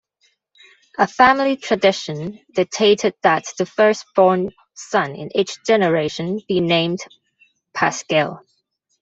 A family tradition dictated that the first-born son in each generation be named Pascual.